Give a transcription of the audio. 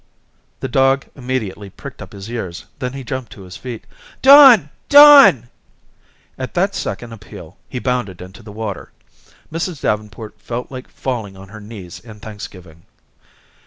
The dog immediately pricked up his ears. Then he jumped to his feet. "Don, Don." At that second appeal, he bounded into the water. Mrs. Davenport felt like falling on her knees in thanksgiving.